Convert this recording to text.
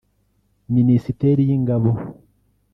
Minisiteri y’ingabo